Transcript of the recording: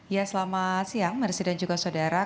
ya selamat siang maaf sedang juga saudara